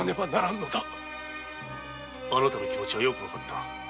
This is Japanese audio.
あなたの気持ちはよくわかった。